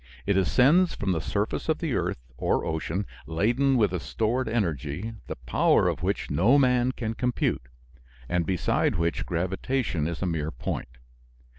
It ascends from the surface of the earth or ocean laden with a stored energy, the power of which no man can compute, and beside which gravitation is a mere point.